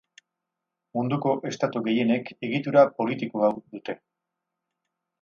Munduko estatu gehienek, egitura politiko hau dute.